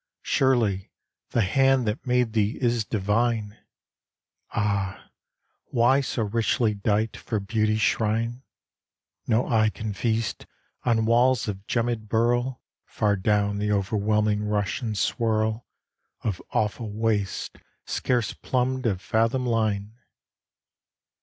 Surely "the hand that made thee is divine"! Ah, why so richly dight for beauty's shrine? No eye can feast on walls of gemmëd burl Far down the overwhelming rush and swirl Of awful wastes scarce plumbed of fathom line!